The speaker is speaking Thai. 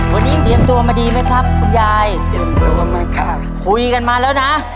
วันนี้เตรียมตัวมาดีไหมครับคุณยายเตรียมตัวมากค่ะคุยกันมาแล้วนะ